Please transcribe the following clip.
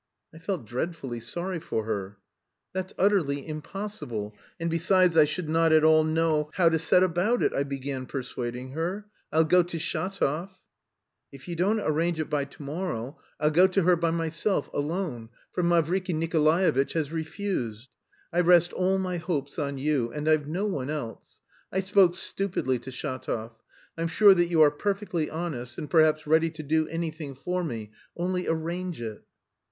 I felt dreadfully sorry for her. "That's utterly impossible, and, besides, I should not know at all how to set about it," I began persuading her. "I'll go to Shatov...." "If you don't arrange it by to morrow I'll go to her by myself, alone, for Mavriky Nikolaevitch has refused. I rest all my hopes on you and I've no one else; I spoke stupidly to Shatov.... I'm sure that you are perfectly honest and perhaps ready to do anything for me, only arrange it."